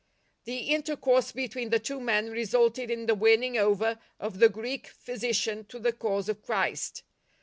The intercourse between the two men resulted in the winning over of the Greek physician to the cause of Christ.